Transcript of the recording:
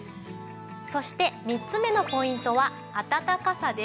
そして３つ目のポイントはあたたかさです。